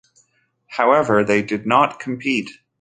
However, they did not compete.